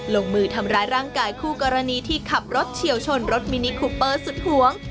ลงมือทำร้ายร่างกายคู่กรณีที่ขับรถเฉียวชนรถมินิคูเปอร์สุดหวง